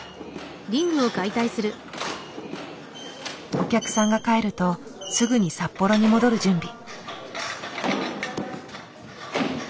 お客さんが帰るとすぐに札幌に戻る準備。